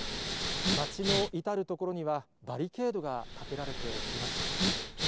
町の至る所には、バリケードが建てられていました。